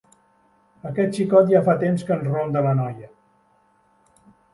Aquest xicot ja fa temps que ens ronda la noia.